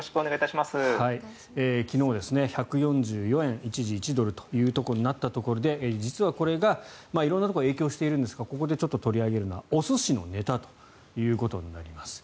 昨日、一時１ドル＝１１４円というところになったところで実はこれが色んなところへ影響しているんですがここでちょっと取り上げるのはお寿司のネタということになります。